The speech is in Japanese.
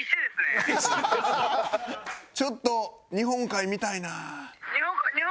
ちょっと日本海見たいな。